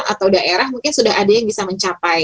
atau daerah mungkin sudah ada yang bisa mencapai